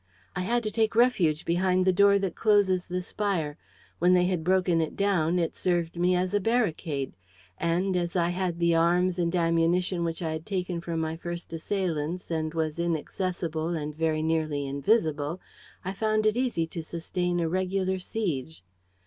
I had to take refuge behind the door that closes the spire. When they had broken it down, it served me as a barricade; and, as I had the arms and ammunition which I had taken from my first assailants and was inaccessible and very nearly invisible, I found it easy to sustain a regular siege."